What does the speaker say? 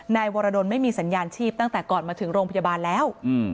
นายวรดลไม่มีสัญญาณชีพตั้งแต่ก่อนมาถึงโรงพยาบาลแล้ว